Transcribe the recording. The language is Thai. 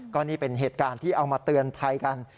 ก็นี่เป็นเหตุการณ์ที่เอามาเตือนภัยกัน